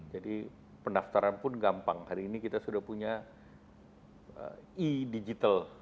jadi pendaftaran pun gampang hari ini kita sudah punya e digital